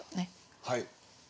はい。